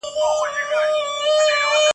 ځینو نااهلو کسانو، چي زه یقین لرم !.